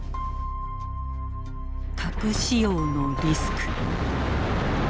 核使用のリスク。